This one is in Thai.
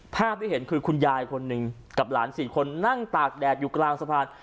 ภาพที่เห็นคือคุณยายคนหนึ่งกับหลาน๔คนนั่งตากแดดอยู่กลางสะพาน